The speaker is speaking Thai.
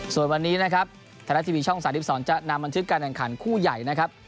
ส่วนวันนี้นะครับธนาทีวีช่องสาธิบสรรค์จะนำบันทึกการแข่งขันคู่ใหญ่นะครับ